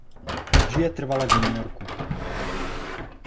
Žije trvale v New Yorku.